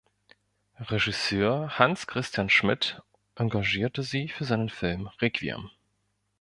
Regisseur Hans-Christian Schmid engagierte sie für seinen Film "Requiem".